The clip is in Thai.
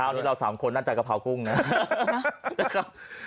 พร้าวนี้เรา๓คนน่าจะกระพาวกุ้งนะ